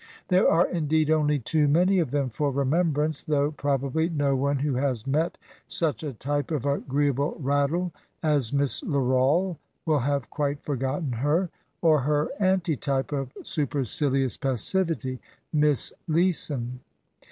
There are, indeed, only too many of them for remembrance, though probably no one who has met such a type of " agreeable rattle" as Miss LeroUe will have quite forgotten her; or her anti type of supercilious passivity. Miss Leeson.